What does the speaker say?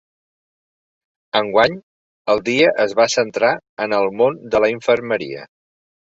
Enguany, el dia es va centrar en el món de la infermeria.